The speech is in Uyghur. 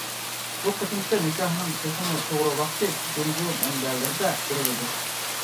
بۇ قېتىمقى نىكاھنىڭ تېخىمۇ توغرا ۋاقتى جۇڭگو مەنبەلىرىدە بېرىلىدۇ.